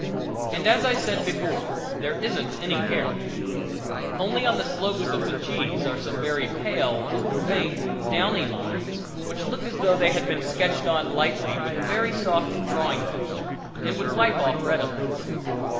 And, as I said before, there isn't any hair; only on the slopes of the cheese are some very pale, faint, downy lines, which look as though they had been sketched on lightly with a very soft drawing pencil and would wipe off readily.